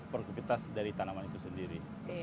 per kutas dari tanaman itu sendiri